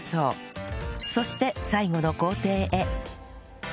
そして最後の工程へ